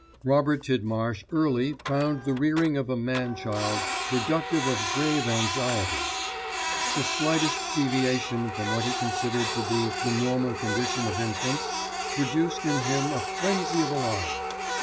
Robert Tidmarsh early found the rearing of a man child productive of grave anxieties. The slightest deviation from what he considered to be the normal condition of infants produced in him a frenzy of alarm.